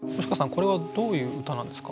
これはどういう歌なんですか？